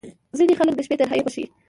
• ځینې خلک د شپې تنهايي خوښوي.